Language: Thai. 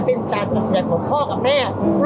เป็นการจัดสินใจของพ่อกับแม่